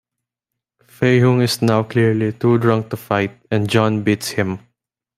Fei-hung is now clearly too drunk to fight, and John beats him.